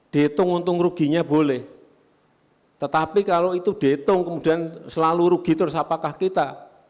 dihitung untung ruginya boleh tetapi kalau itu dihitung kemudian selalu rugi terus apakah kita